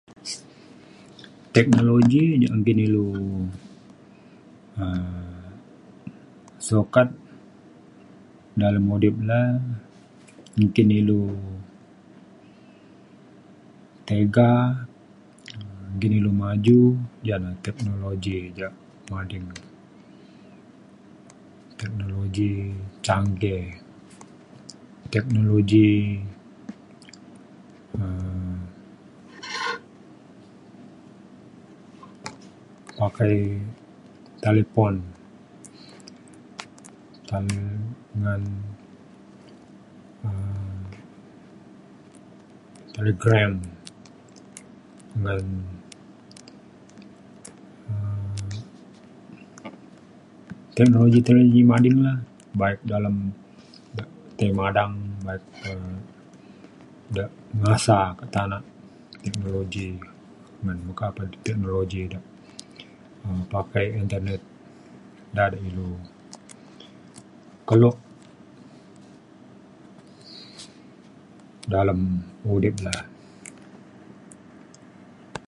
teknologi yak nggin ilu um sukat dalem udip le nggin ilu tiga nggin ilu maju ja na teknologi ja mading teknologi canggih. teknologi um pakai talipon ngn um telegram ngan um teknologi teknologi mading la baik dalem tai madang baik um de ngasa ke tanak teknologi meka pe teknologi de um pakai internet da de ilu kelo dalem udip le.